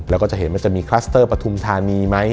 แล้วก็จะเห็นว่าจะมีคลัสเตอร์ปฐุมธานีไหม